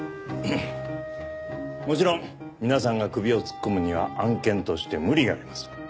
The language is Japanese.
もちろん皆さんが首を突っ込むには案件として無理があります。